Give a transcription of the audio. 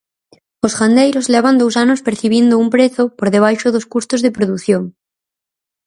Os gandeiros levan dous anos percibindo un prezo por debaixo dos custos de produción.